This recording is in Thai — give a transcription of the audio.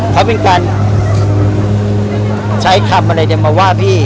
เขาเป็นการใช้คำอะไรมาว่าพี่